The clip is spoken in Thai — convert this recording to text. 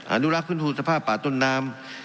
อนุรักษ์ฟื้นฟูสภาพป่าต้นน้ำ